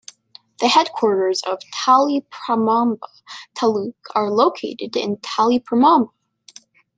The headquarters of Taliparamba Taluk are located in Taliparamba.